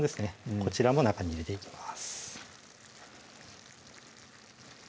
こちらも中に入れていきます